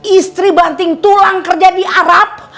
istri banting tulang kerja di arab